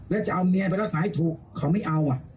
แล้วจะเอาเมียไปรักษาให้ถูกเขาไม่เอา